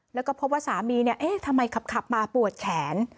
แล้วก็พบว่าสามีเนี่ยเอ๊ะทำไมขับมาปวดแขน